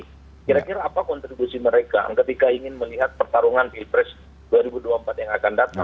kira kira apa kontribusi mereka ketika ingin melihat pertarungan pilpres dua ribu dua puluh empat yang akan datang